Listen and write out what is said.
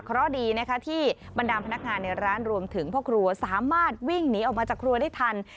เพราะดีนะคะที่บรรดาพนักงานในร้านรวมถึงพ่อครัวสามารถวิ่งหนีออกมาจากครัวได้ทัน